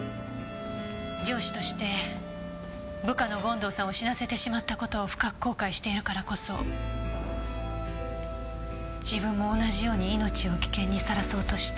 上司として部下の権藤さんを死なせてしまった事を深く後悔しているからこそ自分も同じように命を危険にさらそうとした。